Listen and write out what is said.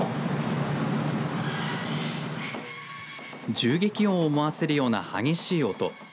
銃撃音を思わせるような激しい音。